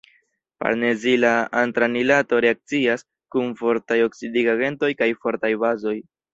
Farnezila antranilato reakcias kun fortaj oksidigagentoj kaj fortaj bazoj.